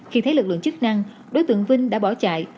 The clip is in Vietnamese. khi thấy lực lượng chức năng đối tượng vinh đã bỏ chạy